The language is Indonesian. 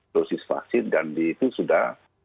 dosis vaksin dan itu sudah